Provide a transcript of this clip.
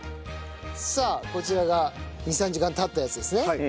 さあこちらが２３時間経ったやつですね。